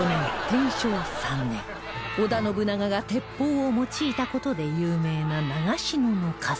天正３年織田信長が鉄砲を用いた事で有名な長篠の合戦